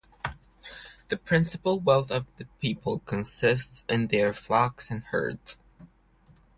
The principal wealth of the people consists in their flocks and herds.